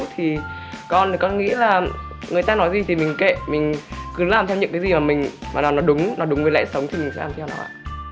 thì con thì con nghĩ là người ta nói gì thì mình kệ mình cứ làm theo những cái gì mà mình làm nó đúng nó đúng với lẽ sống thì mình sẽ làm theo nó ạ